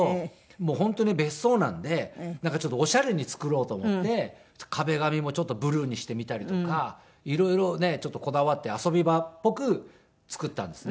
もう本当に別荘なのでなんかちょっとオシャレに作ろうと思って壁紙もちょっとブルーにしてみたりとか色々ねちょっとこだわって遊び場っぽく作ったんですね。